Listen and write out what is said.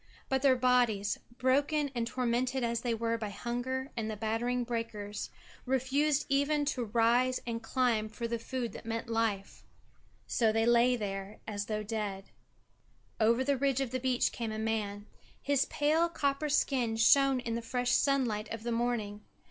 But their bodies, broken and tormented as they were by hunger and the battering breakers, refused even to rise and climb for the food that meant life. So they lay there, as though dead. Over the ridge of the beach came a man. His pale copper skin shone in the fresh sunlight of the morning.